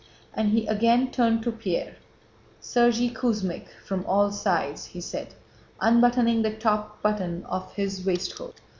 And he again turned to Pierre. "Sergéy Kuzmích—From all sides—" he said, unbuttoning the top button of his waistcoat.